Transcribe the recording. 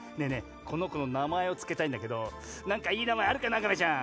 このこのなまえをつけたいんだけどなんかいいなまえあるかな亀ちゃん。